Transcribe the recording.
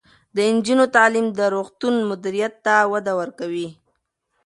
د نجونو تعلیم د روغتون مدیریت ته وده ورکوي.